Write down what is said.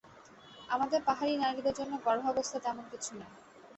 আমাদের পাহাড়ি নারীদের জন্য গর্ভাবস্থা তেমন কিছু নয়।